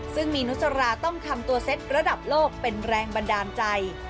ซึ่งมีนุสราต้องทำตัวเซ็ตระดับโลกเป็นแรงบันดาลใจ